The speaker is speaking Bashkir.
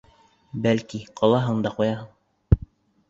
Бәлки, ҡалһын да ҡуйһын.